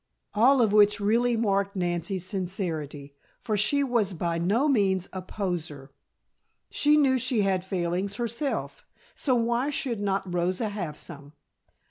All of which really marked Nancy's sincerity, for she was by no means a "poser." She knew she had failings herself, so why should not Rosa have some?